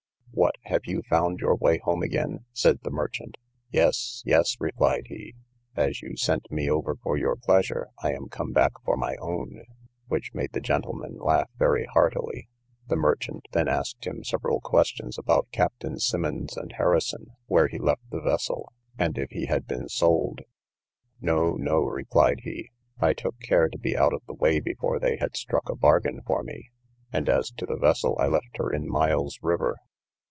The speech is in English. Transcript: What! have you found your way home again? said the merchant. Yes, yes, replied he; as you sent me over for your pleasure, I am come back for my own; which made the gentlemen laugh very heartily. The merchant then asked him several questions about Captain Simmonds and Harrison, where he left the vessel, and if he had been sold. No, no, replied he, I took care to be out of the way before they had struck a bargain for me; and, as to the vessel, I left her in Miles river.